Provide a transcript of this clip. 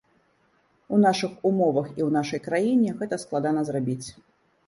У нашых умовах і ў нашай краіне гэта складана зрабіць.